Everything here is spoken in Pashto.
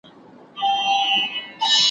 په همدې خاوري دښتوکي `